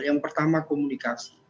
yang pertama komunikasi